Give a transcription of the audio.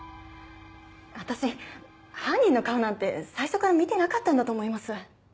私犯人の顔なんて最初から見てなかったんだと思います。